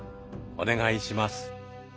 お願いします。